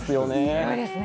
すごいですね。